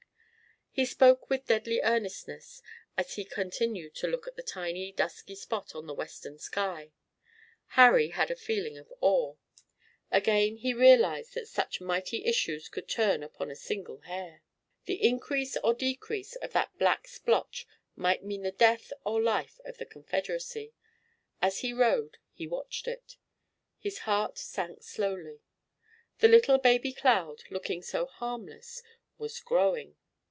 He spoke with deadly earnestness as he continued to look at the tiny dusky spot on the western sky. Harry had a feeling of awe. Again he realized that such mighty issues could turn upon a single hair. The increase or decrease of that black splotch might mean the death or life of the Confederacy. As he rode he watched it. His heart sank slowly. The little baby cloud, looking so harmless, was growing.